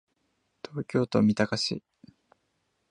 東京都三鷹市